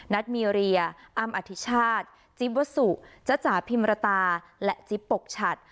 นัดมิริยะอำอธิชาติจิปวสุจจาพิมรตาและจิปปกฉัด